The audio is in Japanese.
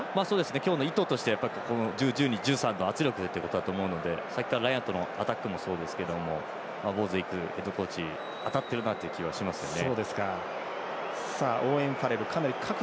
今日の意図として１２、１３の圧力ということだと思うのでラインアウトのアタックもそうですけどボーズウィックヘッドコーチ当たってるなという感じがしますね。